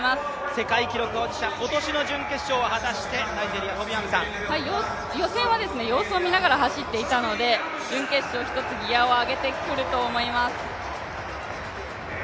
世界記録保持者、今年も準決勝進出を果たして予選は様子を見ながら走っていたので準決勝は１つギアを上げてくると思います。